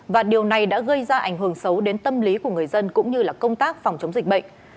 và điều này đã gây ra ảnh hưởng xấu đến tâm lý của người dân cũng như công tác phòng chống dịch bệnh